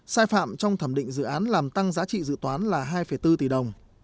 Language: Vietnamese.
sai phạm trong thẩm định dự án làm tăng giá trị dự toán là hai bốn tỷ đồng